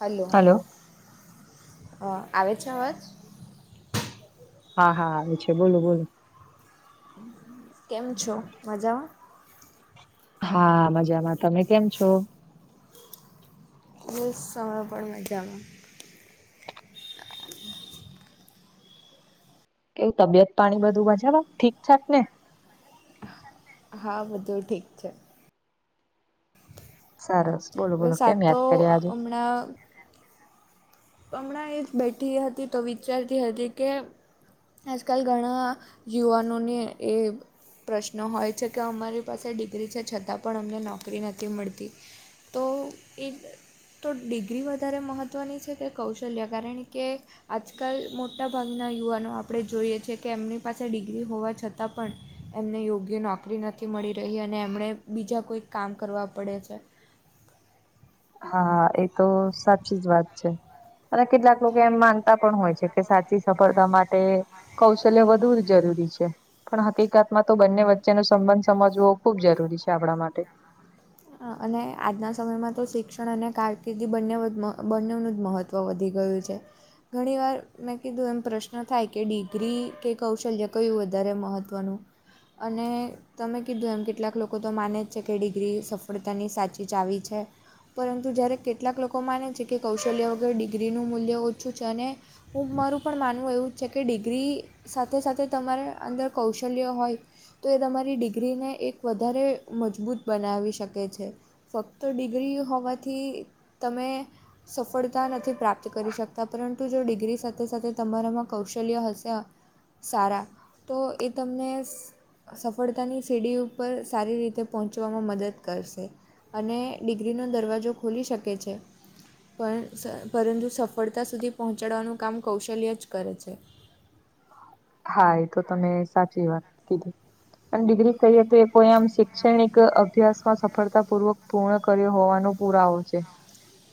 Hello અ આવે છે અવાજ? હા હા આવે છે બોલો બોલો. કેમ છો? મજા હા મજામાં તમે કેમ છો? બસ અમે પણ મજામાં. કેવું તબિયત પાણી બધું મજામા? ઠીકઠાક ને? હા બધું ઠીક છે. સરસ બોલો બોલો કેમ યાદ કર્યા આજે? ના હમણાં એ જ બેઠી હતી તો વિચારતી હતી કે આજકાલ ઘણા યુવાનોને એ પ્રશ્નો હોય છે કે અમારી પાસે ડિગ્રી છે છતાં પણ અમને નોકરી નથી મળતી. તો એ તો ડિગ્રી વધારે મહત્ત્વની છે કે કૌશલ્ય કારણ કે આજકાલ મોટાભાગના યુવાનો આપણે જોઈએ છે કે એમની પાસે ડિગ્રી હોવા છતાં પણ એમને યોગ્ય નોકરી નથી મળી રહી અને એમણે બીજા કોઈક કામ કરવા પડે છે. હા એ તો સાચી જ વાત છે અને કેટલાક લોકો એમ માન તા પણ હોય છે કે સાચી સફળતા માટે કૌશલ્ય વધુ જ જરૂરી છે. પણ હકીકતમાં તો બંને વચ્ચેનો સંબંધ સમજવો ખૂબ જરૂરી છે આપણા માટે. અને આજના સમયમાં તો શિક્ષણ અને કારકિર્દી બંને બંનેવનું જ મહત્ત્વ તો વધી ગયું છે. ઘણી વાર મેં કીધું એમ પ્રશ્ન થાય કે ડિગ્રી કે કૌશલ્ય કયું વધારે મહત્ત્વનું? અને તમે કીધું એમ કેટલાક લોકો તો માને જ છે કે ડિગ્રી સફ સફળતાની સાચી ચાવી છે. પરંતુ જ્યારે કેટલાક લોકો માને છે કે કૌશલ્ય વગર ડિગ્રીનું મૂલ્ય ઓછું છે અને હું મારું પણ માનવું એવું જ છે કે ડિગ્રી સાથે સાથે તમારે અંદર કૌશલ્યો હોય તો એ તમારી ડિગ્રીને એક વધારે મજબૂત બનાવી શક શકે છે ફક્ત ડિગ્રી હોવાથી તમે સફળતા નથી પ્રાપ્ત કરી શકતા પરંતુ જો ડિગ્રી સાથે સાથે તમારામાં કૌશલ્ય હશે અ સારા તો એ તમને સફળતાની સીડી ઉપર સારી રીતે પહોંચવામાં મદદ કરશે અને ડિગ્રીનો દરવાજો ખુલી શકે છે. પણ સ પરંતુ સફળતા સુધી પહોંચાડવાનું કામ કૌશલ્ય જ કરે છે. હા એ તો તમે સાચી વાત કીધી. આન ડિગ્રી કરીએ તો એ કોઈ આમ શૈક્ષણિક અભ્યાસમાં સફળતાપૂર્વક પૂર્ણ કર્યો હોવાનો પુરાવો છે.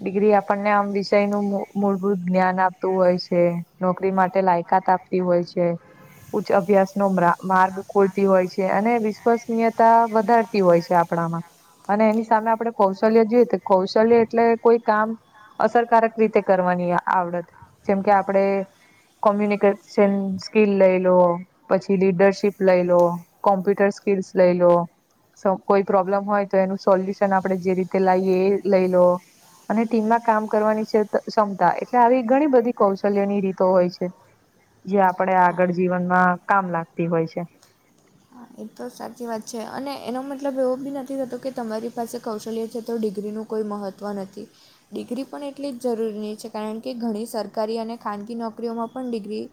ડિગ્રી આપણને આમ વિષયનું મુ મૂળભૂત જ્ઞાન આપતું હોય છે. નોકરી માટે લાયકાત આપતી હોય છે. ઉચ્ચ અભ્યાસનો માં માર્ગ ખોલતી હોય છે અને વિશ્વસનીયતા વધારતી હોય છે આપણામાં. અને એની સામે આપડે કૌશલ્ય જોઈએ તો કૌશલ્ય એટલે કોઈ કામ અસરકારક રીતે કરવાની આવડત જેમ કે આપડે કોમ્યુનિકેશન સ્કીલ લઈ લો પછી લીડરશીપ લઈ લો કોમ્પ્યુટર સ્કીલસ લઈ લો કોઈ પ્રોબ્લેમ હોય તો એનું સોલ્યુશન આપડણે જે રીતે લઈએ એ લઈ લો અને ટીમમાં કામ કરવાની છે ક્ષમતા એટલે આવી ઘણી બધી કૌશલ્યની રીતો હોય છે જે આપડે હા આગળ જીવનમાં કામ લાગતી હોય છે હા એ તો સાચી વાત છે અને એનો મતલબ એવો બી નથી થતો કે તમારી પાસે કૌશલ્ય છે તો ડિગ્રીનું કોઈ મહત્ત્વ નથી ડિગ્રી પણ એટલી જ જરૂરીની છે કારણ કે ઘણી સરકારી અને ખાનગી નોકરીઓમાં પણ ડિગ્રી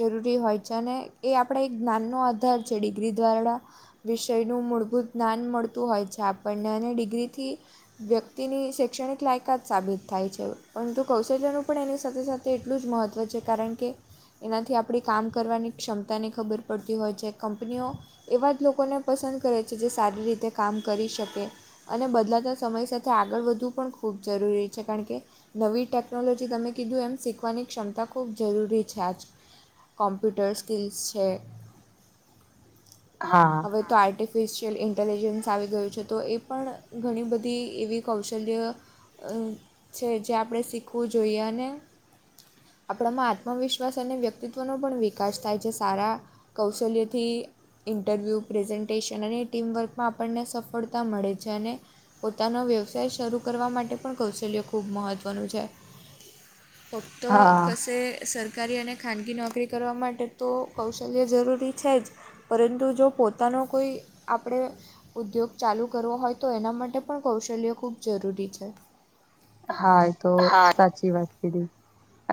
જરૂરી હોય છે અને એ આપણા એક જ્ઞાનનો આધાર છે ડિગ્રી દ્વારા વિષયનું મૂળભૂત જ્ઞાન મળતું હોય છે આપણને અને ડિગ્રીથી વ્યક્તિની શૈક્ષણિક લાયકાત સાબિત થાય છે પરંતુ કૌશલ્યનું પણ એની સાથે સાથે તે એટલું જ મહત્ત્વ છે કારણ કે એનાથી આપણી કામ કરવાની ક્ષમતાને ખબર પડતી હોય છે કં કંપનીઓ એવા જ લોકોને પસંદ કરે છે જે સારી રીતે કામ કરી શકે અને બદલાતા સમય સાથે આગળ વધવું પણ ખૂબ જરૂરી છે કારણ કે નવી ટેકનોલોજી તમે કીધું એમ શીખવાની ક્ષમતા ખૂબ જરૂરી છે આજ કોમ્પ્યુટર સ્કિલ્સ છે હા હવે તો આર્ટિફિશિયલ ઇન્ટેલિજન્સ આવી ગયું છે તો એ પણ ઘણી બધી એવી કૌશલ્ય છે જે આપણે શીખવું જોઈએ અને આપણામાં આત્મવિશ્વાસ અને વ્યક્તિત્વનો પણ વિકાસ થાય છે સારા કૌશલ્ય થી ઇન્ટરવ્યૂ પ્રેઝન્ટેશન અને એ ટીમવર્કમાં આપણને સફળતા મળે છે અને પોતાનો વ્યવસાય શરૂ કરવા માટે પણ કૌશલ્ય ખૂબ મહત્ત્વનું છે હમ્મ ફક્ત કશે સરકારી અને ખાનગી નોકરી કરવા માટે તો કૌશલ્ય જરૂરી છે જ પરંતુ જો પોતાનો કોઈ આપણે ઉદ્યોગ ચાલુ કરવો હોય તો એના માટે પણ કૌશલ્ય ખૂબ જરૂરી છે હા તો સાચી વાત કીધી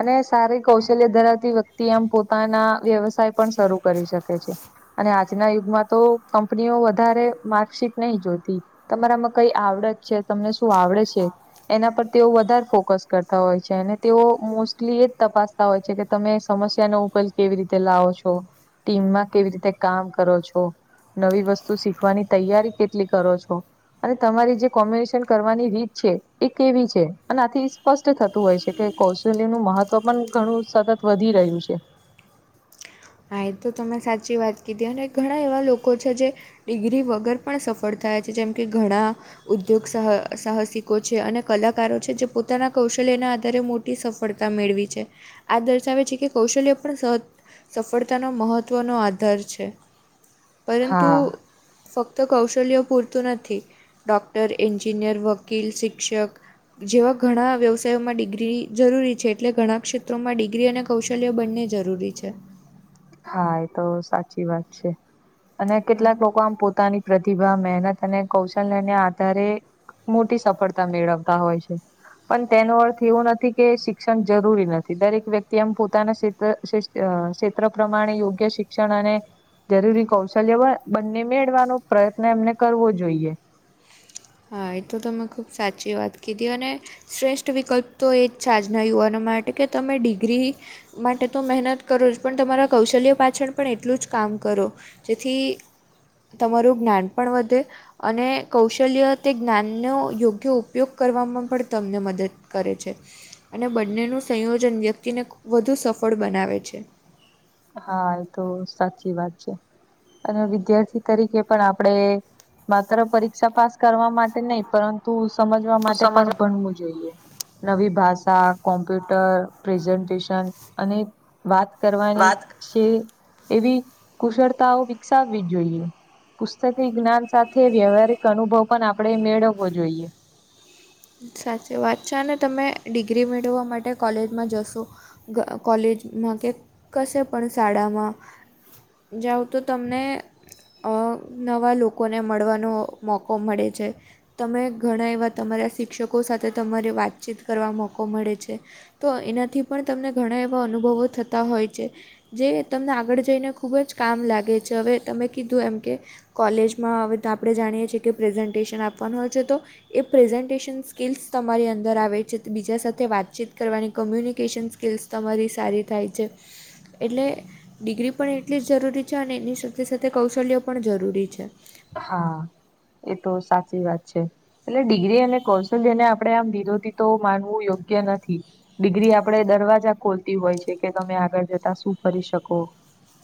અને સારી કૌશલ્ય ધરાવતી વ્યક્તિ એમ પોતાના વ્યવસાય પણ શરૂ કરી શકે છે અને આજના યુગમાં તો કંપનીઓ વધારે માર્કશીટ નહી જોતી તમારામાં કઈ આવડત છે તમને શું આવડે છે એના પર તેઓ વધારે ફોકસ કરતા હોય છે અને તેઓ મોસ્ટલી એ જ તપાસતા હોય છે કે તમે સમસ્યા નો ઉકેલ કેવી રીતે લાવો છો ટીમમાં કેવી રીતે કામ કરો છો નવી વસ્તુ શીખવાની તૈયારી કેટલી કરો છો અને તમારી જે કોમ્બિનેશન કરવાની રીત છે એ કેવી છે અને આથી સ્પષ્ટ થતું હોય છે કે કૌશલ્ય નું મહત્વ પણ ઘણું સતત વધી રહ્યું છે હા એ તો તમે સાચી વાત કીધી અને ઘણા એવા લોકો છે જે ડિગ્રી વગર પણ સફળ થાય છે જેમ કે ઘણા ઉદ્યોગહ સાહસિકો છે અને કલાકારો છે જે પોતાના કૌશલ્ય ના આધારે સફળતા મેળવી છે આ દર્શાવે છે કે કૌશલ્ય પણ સ સફળતાનો મહત્ત્વનો આધાર છે પરંતુ હા ફક્ત કૌશલ્યો પૂરતું નથી ડૉક્ટર એન્જિનિયર વકીલ શિક્ષક જેવા ઘણા વ્યવસાયોમાં ડિગ્રી જરૂરી છે એટલે ઘણા ક્ષેત્રોમાં ડિગ્રી અને કૌશલ્ય બનને જરૂરી છે હા એ તો સાચી વાત છે અને કેટલાક લોકો આમ પોતાની પ્રતિભા મહેનત અને કૌશલ્યને આધારે મોટી સફળતા મેળવતા હોય છે પણ તેનો અર્થ એવો નથી કે શિક્ષણ જરૂરી નથી દરેક વ્યક્તિ એમ પોતાના ક્ષે અ ક્ષેત્ર પ્રમાણે યોગ્ય શિક્ષણ અને જરૂરી કૌશલ્ય બંને મેળવાનો પ્રયત્ન એમને કરવો જોઈએ હા એ તો ત મેં ખૂબ સાચી વાત કીધી અને શ્રેષ્ઠ વિકલ્પ તો એ જ છે આજના યુવાનો માટે કે તમે ડિગ્રી માટે તો મહેનત કરો જ પણ તમારા કૌશલ્ય પાછળ પણ એટલું જ કામ કરો. જેથી તમારું જ્ઞાન પણ વધે અને કૌશલ્ય તે જ્ઞાનનો યોગ્ય ઉપયોગ કરવામાં પણ તમને મદદ કરે છે. અને બંનેનું સંયોજન વ્યક્તિને વધુ સફળ બનાવે છે. હા એ તો સાચી વાત છે. અને વિદ્યાર્થી તરીકે પણ આપડે માત્ર પરીક્ષા પાસ કરવા માટે નહી પરંતુ સમજવા માટે પણ ભનવું જોઈએ. નવી ભાષા, કોમ્પ્યુટર, પ્રેઝન્ટેશન અને વાત કરવાની છે એવી કુશળતાઓ વિકસાવવી જોઈએ. પુસ્તક જ્ઞાન સાથે વ્યવહારિક અનુભવ પણ આપણે મેળવવો જોઈએ. સાચી વાત છે, અને તમે ડિગ્રી મેળવવા માટે કોલેજમાં જશો કોલેજમાં કે કશે પણ શાળામાં જાવં તો તમને નવા લોકોને મળવાનો મોકો મળે છે. તમે ઘણા એવા તમારા શિક્ષકો સાથે તમારી વાતચીત કરવા મોકો મળે છે. તો એનાથી પણ તમને ઘણા એવા અનુભવો થતા હોય છે. જે તમને આગળ જઈને ખુબ જ કામ લાગે છે. હવે તમે કીધું એમ કે કોલેજમાં હવે આપણે જાણીએ છીએ કે પ્રેઝન્ટેશન આપવાનું હોય છે. તો એ પ્રેઝન્ટેશન સ્કિલ્સ તમારી અંદર આવે છે. બીજા સાથે વાતચીત કરવાની કમ્યુનિકેશન સ્કિલ્સ તમારી સારી થાય છે, એટલે ડિગ્રી પણ એટલી જ જરૂરી છે અને એની સાથે સાથે કૌશલ્ય પણ જરૂરી છે. હા, એ તો સાચી વાત છે. એટલે ડિગ્રી અને કૌશલ્યને આપણે આમ વિરોધી તો માનવું યોગ્ય નથી. ડિગ્રી આપડ દરવાજા ખોલતી હોય છે કે તમે આગળ જતા શું ફરી શકો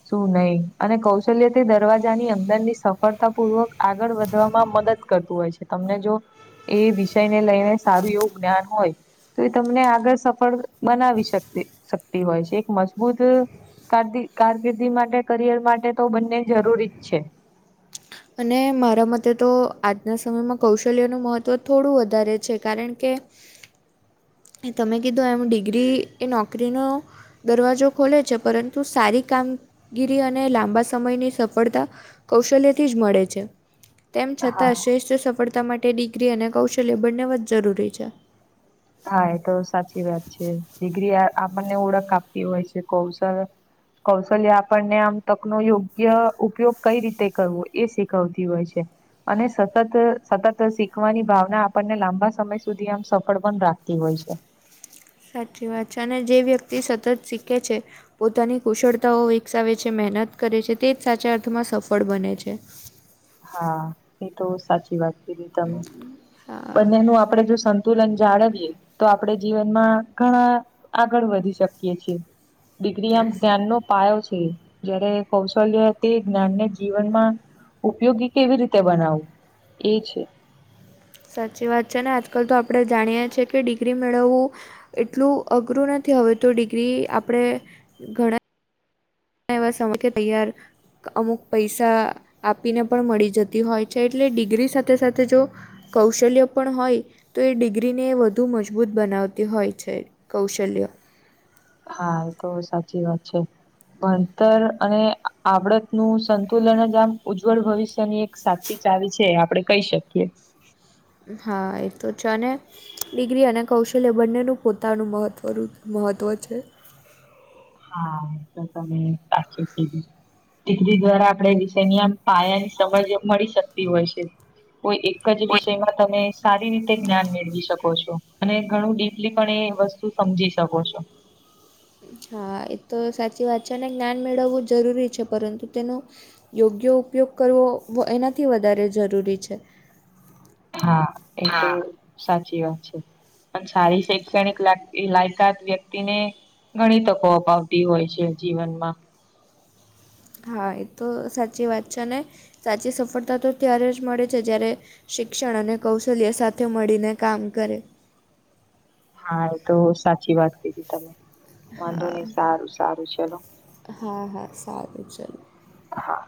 શું નહી અને કૌશલ્ય તે દરવાજા ની અંદર ની સફ સફળતાપૂર્વક આગળ વધવામાં મદદ કરતું હોય છે તમને જો એ વિષય ને લઈને સારું એવું જ્ઞાન હોય તો એ તમને આગળ સફળ બનાવી શક શકતી હોય છે. એક મજબૂત કાર કારકિર્દી માટે કરિયર માટે તો બંને જરૂરી જ છે. અને મારા મતે તો આજના સમયમાં કૌશલ્યનું મહત્ત્વ થોડું વધારે છે કારણ કે એ તમે કીધું એમ ડિગ્રી એ નોકરીનો દરવાજો ખોલે છે પરંતુ સારી કામગીરી અને લાંબા સમયની સફળતા કૌશલ્યથી જ મળે છે. તેમ હા છતાં શ્રેષ્ઠ સફળતા માટે ડિગ્રી અને કૌશલ્ય બંનેવ જ જરૂરી છે. હા એ તો સાચી વાત છે ડિગ્રી આપણને ઓળખ આપવી હોય છે. કૌશલ કૌશલ્ય આપણને આમ તક નો યોગ્ય ઉપયોગ કઈ રીતે કરવો એ શીખવતી હોય છે. અને સતત સતત શીખવાની ભાવના આપણને લાંબા સમય સુધી આમ સફળ પણ રાખે હોય છે. સાચી વાત છે અને જે વ્યક્તિ સતત શીખે છે પોતાની કુશળતાઓ વિકસાવે છે, મહેનત કરે છે તે જ સાચા અર્થમાં સફળ બને છે. હા એ તો સાચી વાત કીધી તમે. હા બંનેનું આપડે જો તુલન જાળવીએ તો આપણે જીવનમાં ઘણા આગળ વધી શકીએ છીએ. ડિગ્રી આમ જ્ઞાનનો પાયો છે, જયારે કૌશલ્ય તે જ્ઞાનને જીવનમાં ઉપયોગી કેવી રીતે બનાવવું? એ છે. સાચી વાત છે ને આજકાલ તો આપણે જાણીએ છીએ કે ડિગ્રી મેળવવું એટલું અઘરું નથી હવે તો ડિગ્રી આપણે ઘણા [unintelligible] તૈયાર અમુક પૈસા આપીને પણ મળી જતી હોય છે એટલે ડિગ્રી સાથે સાથે જો કૌશલ્ય પણ હોય તો એ ડિગ્રીને વધુ મજબૂત બનાવતી હોય છે કૌશલ્ય. હા એ તો સાચી વાત છે. ભણતર અને આવડત નું સંતુલન જ આમ ઉજ્જવળ ભવિષ્યની એક સાચી ચાવી છે આપડે કહી શકીએ. હા એ તો છ ને. ડિગ્રી અને કૌશલ્ય બંનેનું પોતાનું મહત્વનું મહત્ત્વ છે. હા એ તો તમે સાચું કીધું. ડિગ્રી દ્વારા આપડે વિષય ની આમ પાયાની સમજ મળી શકતી હોય છે. કોઈ એક જ વિષયમાં તમે સારી રીતે જ્ઞાન મેળવી શકો છો અને ઘણું ડીપલી પણ એ વસ્તુ સમજી શકો છો. હા એ તો સાચી વાત છે અને જ્ઞાન મેળવવું જરૂરી છે પરંતુ તેનું યોગ્ય ઉપયોગ કરવો વ એનાથી વધારે જરૂરી છે. હા એ તો સાચી વાત છે. પન સારી શૈક્ષણિક લાગતી લાયકાત વ્ય ક્તિ ને ઘણી તકો અપાવતી હોય છે જીવનમાં. હા એ તો સાચી વાત છે ને સાચી સફળતા તો ત્યારે જ મળે છે જ્યારે શિક્ષણ અને કૌશલ્ય સાથે મળીને કામ કરે. હા એ તો સાચી વાત કીધી તમે. વાંધો હા નહી સારું સારું ચલો હા હા સારું ચલો. હા.